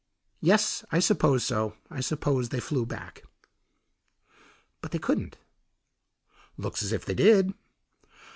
"Yes, I suppose so; I suppose they flew back." "But they couldn't." "Looks as if they did."